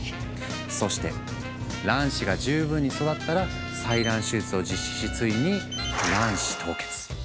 そして卵子が十分に育ったら採卵手術を実施しついに卵子凍結。